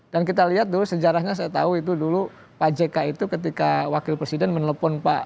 dan kita lihat dulu sejarahnya saya tahu itu dulu pak jk itu ketika wakil presiden menelpon pak